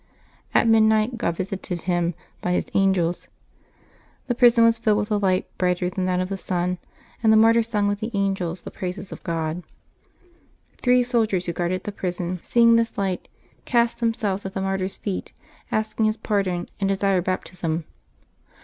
At midnight, God visited him by His angels; the prison was filled with a light brighter than that of the sun, and the martyr sung with the angels the praises of God. Three soldiers who guarded the prison, 258 LIVES OF TEE SAINTS [July 22 seeing this light, cast themselves at the martyr's feet, asked his pardon, and desired Baptism.